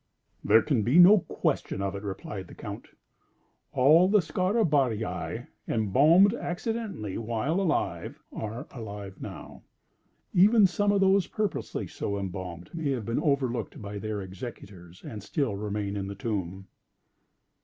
"There can be no question of it," replied the Count; "all the Scarabaei embalmed accidentally while alive, are alive now. Even some of those purposely so embalmed, may have been overlooked by their executors, and still remain in the tomb."